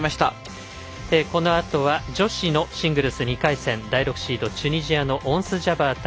このあとは女子のシングルス２回戦第６シード、チュニジアのオンス・ジャバー対